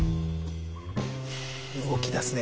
動きだすね。